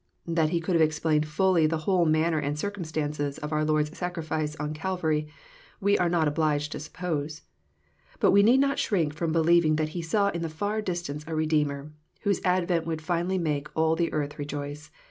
That he could have explained fully the whole manner and cir* cumstances of our Lord's sacrifice on Calvary, we are not obliged to suppose. But we need not shrink from believing that he saw in the far distance a Redeemer, whose advent would finally make all the earth rejoice.